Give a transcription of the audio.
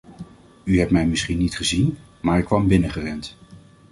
U hebt mij misschien niet gezien, maar ik kwam binnengerend.